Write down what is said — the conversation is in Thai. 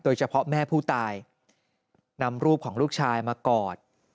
แม่ผู้ตายนำรูปของลูกชายมากอด